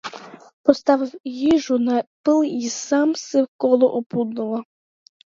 Поставив їжу на піл і сам сів коло опудала.